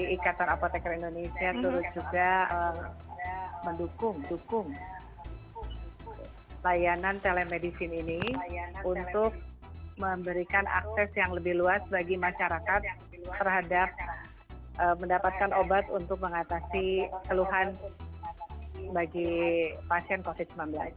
dari qatar apothecary indonesia terus juga mendukung layanan telemedicine ini untuk memberikan akses yang lebih luas bagi masyarakat terhadap mendapatkan obat untuk mengatasi keluhan bagi pasien covid sembilan belas